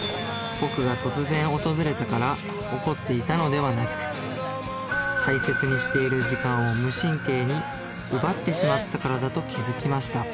僕が突然訪れたから怒っていたのではなく大切にしている時間を無神経に奪ってしまったからだと気付きました